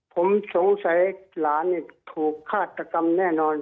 ผมสงสัยหลานถูกฆาตกรรมแน่นอน